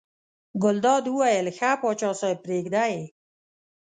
ګلداد وویل ښه پاچا صاحب پرېږده یې.